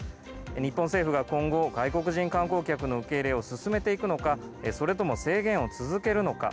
日本政府が今後、外国人観光客の受け入れを進めていくのかそれとも制限を続けるのか。